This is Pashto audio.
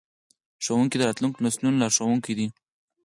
ښوونکي د راتلونکو نسلونو لارښوونکي دي.